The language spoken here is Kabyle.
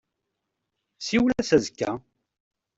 Siwel-as azekka.